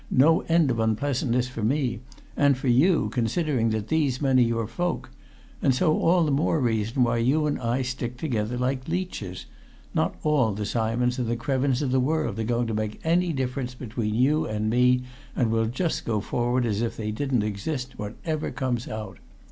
"No end of unpleasantness for me and for you, considering that these men are your folk. And so all the more reason why you and I stick together like leeches not all the Simons and the Krevins in the world are going to make any difference between you and me, and we'll just go forward as if they didn't exist, whatever comes out.